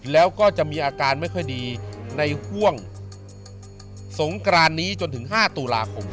แล้วก็จะมีอาการไม่ค่อยดีในห่วงสงกรานนี้จนถึง๕ตุลาคม